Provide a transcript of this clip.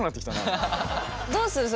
どうする？